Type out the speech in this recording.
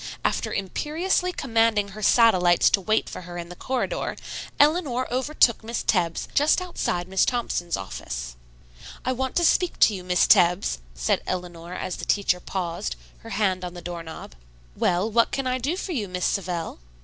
After imperiously commanding her satellites to wait for her in the corridor, Eleanor overtook Miss Tebbs just outside Miss Thompson's office. "I want to speak to you, Miss Tebbs," said Eleanor as the teacher paused, her hand on the doorknob. "Well, what can I do for you, Miss Savell?"